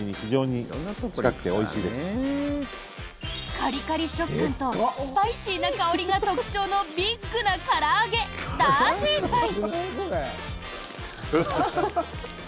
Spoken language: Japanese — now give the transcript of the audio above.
カリカリ食感とスパイシーな香りが特徴のビッグなから揚げダージーパイ。